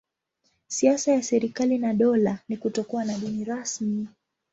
Siasa ya serikali na dola ni kutokuwa na dini rasmi.